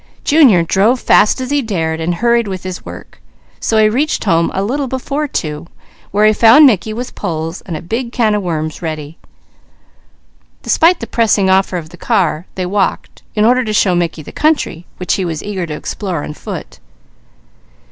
Junior drove fast as he dared and hurried with his work; so he reached home a little before two, where he found Mickey with poles and a big can of worms ready. Despite the pressing offer of the car, they walked, in order to show Mickey the country which he was eager to explore on foot.